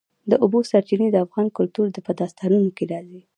د اوبو سرچینې د افغان کلتور په داستانونو کې راځي.